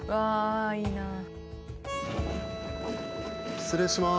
失礼します。